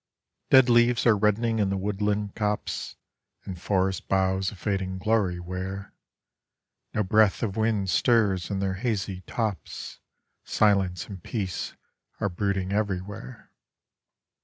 Dead leaves are reddening in the woodland copse, And forest boughs a fading glory wear; No breath of wind stirs in their hazy tops, Silence and peace are brooding everywhere.